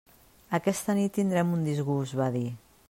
«Aquesta nit tindrem un disgust», va dir.